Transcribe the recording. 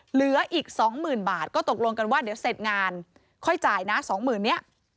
เหลืออีก๒๐๐๐บาทก็ตกลงกันว่าเดี๋ยวเสร็จงานค่อยจ่ายนะ๒๐๐๐นี้